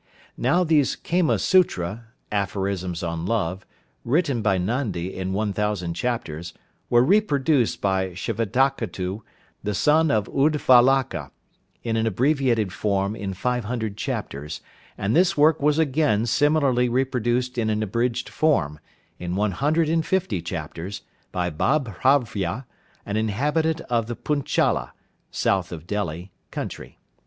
Now these 'Kama Sutra' (Aphorisms on Love), written by Nandi in one thousand chapters, were reproduced by Shvetaketu, the son of Uddvalaka, in an abbreviated form in five hundred chapters, and this work was again similarly reproduced in an abridged form, in one hundred and fifty chapters, by Babhravya, an inhabitant of the Punchala (South of Delhi) country.